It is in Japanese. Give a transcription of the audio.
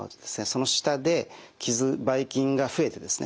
その下でばい菌が増えてですね